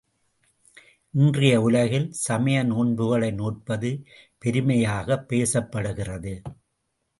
இன்றைய உலகில் சமய நோன்புகளை நோற்பது பெருமையாகப் பேசப்படுகிறது.